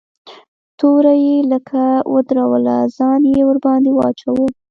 توره يې لکه ودروله ځان يې ورباندې واچاوه.